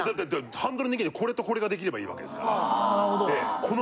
ハンドル握れてこれとこれが出来ればいいわけですから。